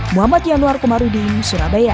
muhammad yanuar komarudin surabaya